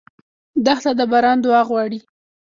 دښته د باران دعا غواړي.